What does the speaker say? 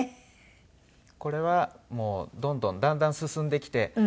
これはもうどんどんだんだん進んできて。